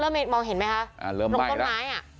เริ่มแบ่งของส้มใหม่ถนกต้นไม้